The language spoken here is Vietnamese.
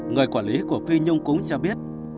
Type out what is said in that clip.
người quản lý của phi nhung cũng cho biết